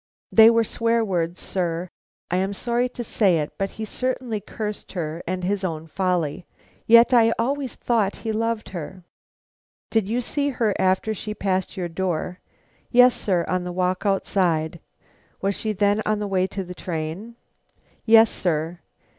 "They were swear words, sir; I am sorry to say it, but he certainly cursed her and his own folly. Yet I always thought he loved her." "Did you see her after she passed your door?" "Yes, sir, on the walk outside." "Was she then on the way to the train?" "Yes, sir."